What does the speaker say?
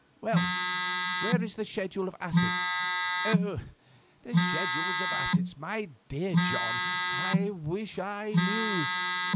Well, where is the schedule of assets?" "The schedule of assets, my dear John? I wish I knew.